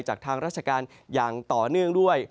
จากทางราชการอย่างต่อเนื่องด้วย